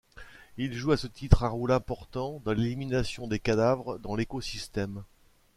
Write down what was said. Il joue à ce titre un rôle important dans l'élimination des cadavres dans l'écosystème.